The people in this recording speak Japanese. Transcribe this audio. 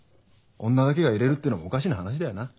女だけがいれるっていうのもおかしな話だよな。